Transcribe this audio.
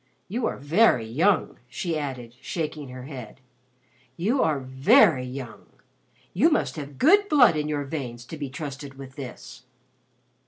You are very young," she added shaking her head. "You are very young. You must have good blood in your veins to be trusted with this."